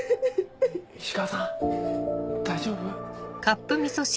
泣き声石川さん大丈夫？